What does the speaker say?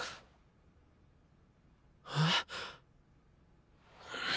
えっ？